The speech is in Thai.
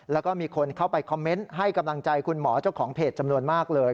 แล้วก็มีคนเข้าไปคอมเมนต์ให้กำลังใจคุณหมอเจ้าของเพจจำนวนมากเลย